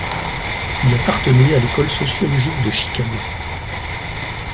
Il appartenait à l'École sociologique de Chicago.